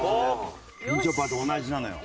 みちょぱと同じなのよ。